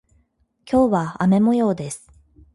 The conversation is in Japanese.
今日は雨模様です。